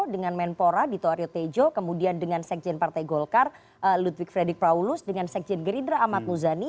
dengan menpora dito aryo tejo kemudian dengan sekjen partai golkar ludwig fredrik paulus dengan sekjen gerindra ahmad muzani